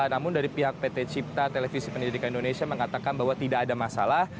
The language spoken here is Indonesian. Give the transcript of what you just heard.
namun dari pihak pt cipta televisi pendidikan indonesia mengatakan bahwa tidak ada masalah